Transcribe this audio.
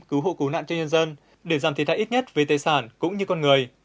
cứu hộ cứu nạn cho nhân dân để giảm thiệt hại ít nhất về tài sản cũng như con người